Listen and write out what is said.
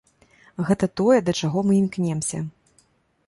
Гэта тое, да чаго мы імкнёмся.